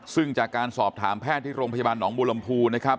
ซึ่งจากการสอบถามแพทย์ที่โรงพยาบาลหนองบุรมภูนะครับ